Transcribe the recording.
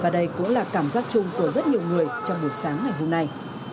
và đây cũng là cảm giác chung của rất nhiều người trong buổi sáng ngày hôm nay